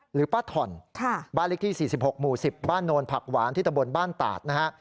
หรือป้าถ่อนบ้านเลขที่๔๖หมู่๑๐บ้านโนนผักหวานที่ตะบนบ้านตาดนะฮะ